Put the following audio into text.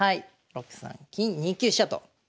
６三金２九飛車と。